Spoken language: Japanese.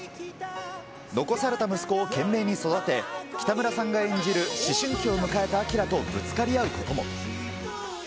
残された息子を懸命に育て、北村さんが演じる思春期を迎えたアキラとぶつかり合うことも。